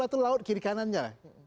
kiri kanannya laut kiri kanannya laut